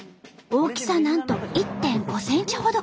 大きさなんと１．５ｃｍほど。